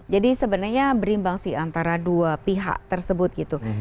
jadi sebenarnya berimbang sih antara dua pihak tersebut gitu